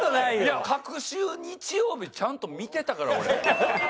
いや隔週日曜日ちゃんと見てたから俺。